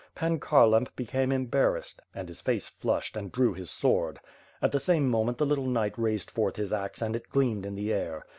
Pan Khar lamp became embarrassed, and his face flushed, and drew his sword. At the same moment the little knight raised forth his axe and it gleamed in the air.